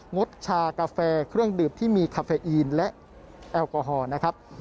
งดชากาแฟเครื่องดื่มที่มีคาเฟอีนและแอลกอฮอล์นะครับ